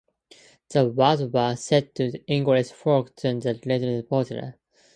The words were set to the English folk tune "The Lincolnshire Poacher".